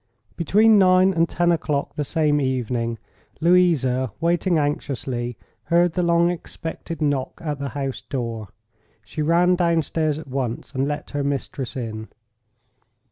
Between nine and ten o'clock the same evening, Louisa, waiting anxiously, heard the long expected knock at the house door. She ran downstairs at once and let her mistress in.